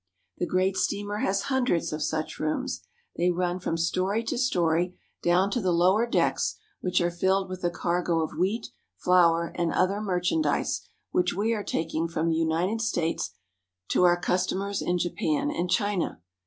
The great steamer has hundreds of such rooms. They 20 FROM AMERICA TO JAPAN run from story to story, down to the lower decks, which are filled with a cargo of wheat, flour, and other merchan dise which we are taking from the United States to our customers in Japan and China.